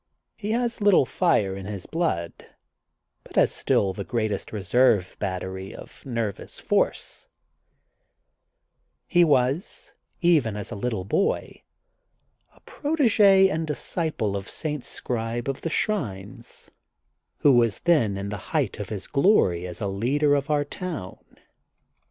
He has little fire in his blood, but has still the greatest reserve battery of nervous force. He was, even as a little boy, a protege and disciple of St. Scribe of the Shrines, who was then in the height of his glory as a leader of 171 \ 172 THE GOLDEN BOOK OF SPRINGFIELD our town.